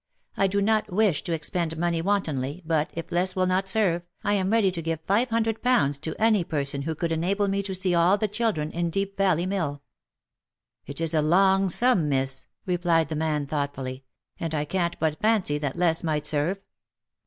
" I do not wish to expend money wantonly, but, if less will not serve, I am ready to give five hundred pounds to any person who could enable me to see all the children in Deep Valley Mill." "It is a longsum/miss," replied the man thoughtfully, " and I can't but fancy that less might serve.